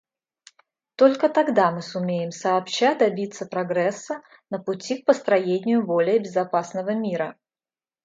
Только тогда мы сумеем сообща добиться прогресса на пути к построению более безопасного мира.